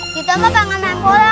kita mah pengen main bola